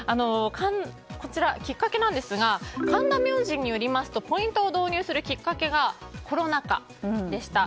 きっかけなんですが神田明神によりますとポイントを導入するきっかけがコロナ禍でした。